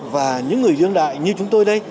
và những người đương đại như chúng tôi